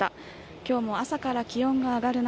今日も朝から気温が上がる中